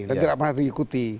tapi tidak pernah diikuti